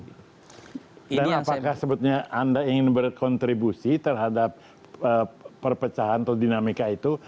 apakah sebetulnya anda ingin berkontribusi terhadap perpecahan atau dinamika itu